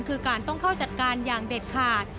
คือการต้องเข้าจัดการอย่างเด็ดขาด